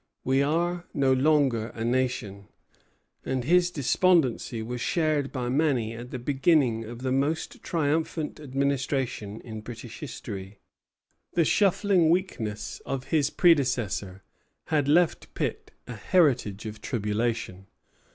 We are no longer a nation." And his despondency was shared by many at the beginning of the most triumphant Administration in British history. The shuffling weakness of his predecessors had left Pitt a heritage of tribulation.